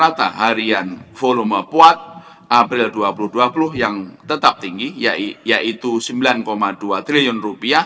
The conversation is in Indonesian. rata rata harian volume kuat april dua ribu dua puluh yang tetap tinggi yaitu rp sembilan dua triliun